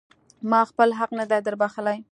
ما خپل حق نه دی در بښلی.